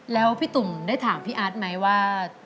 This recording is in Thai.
แล้วพี่ตุ่มได้ถามพี่อาร์ตไหมว่า